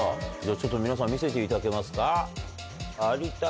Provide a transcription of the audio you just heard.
ちょっと皆さん見せていただけますか。